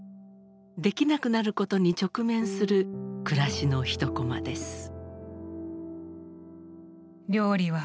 できなくなることに直面する暮らしの一コマです。